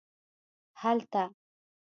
هلته